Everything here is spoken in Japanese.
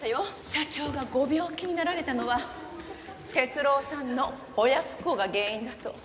社長がご病気になられたのは哲郎さんの親不孝が原因だと。